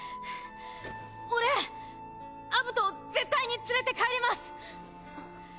俺アブトを絶対に連れて帰ります！